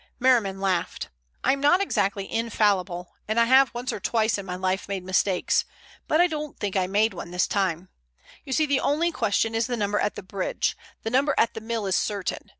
Merriman laughed. "I'm not exactly infallible, and I have, once or twice in my life, made mistakes. But I don't think I made one this time. You see, the only question is the number at the bridge. The number at the mill is certain.